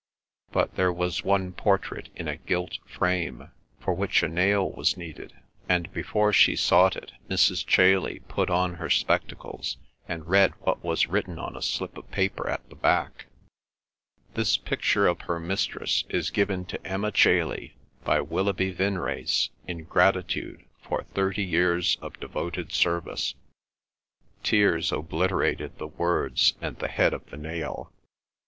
But there was one portrait in a gilt frame, for which a nail was needed, and before she sought it Mrs. Chailey put on her spectacles and read what was written on a slip of paper at the back: "This picture of her mistress is given to Emma Chailey by Willoughby Vinrace in gratitude for thirty years of devoted service." Tears obliterated the words and the head of the nail.